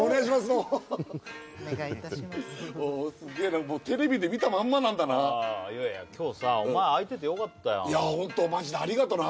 どうもおおすげえなテレビで見たまんまなんだないやいや今日さお前あいててよかったよホントマジでありがとな